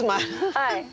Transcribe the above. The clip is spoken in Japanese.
はい。